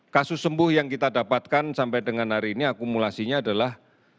kasus sembuh yang kita dapatkan sampai dengan hari ini akumulasinya adalah